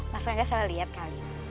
mas rangga salah liat kali